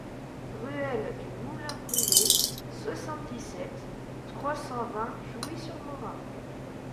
Ruelle du Moulin Brulé, soixante-dix-sept, trois cent vingt Jouy-sur-Morin